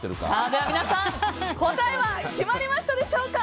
では皆さん答えは決まりましたでしょうか。